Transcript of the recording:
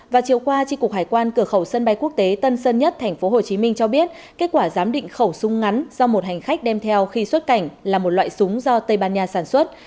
và chiều qua tri cục hải quan cửa khẩu sân bay quốc tế tân sơn nhất tp hcm cho biết kết quả giám định khẩu súng ngắn do một hành khách đem theo khi xuất cảnh là một loại súng do tây ban nha sản xuất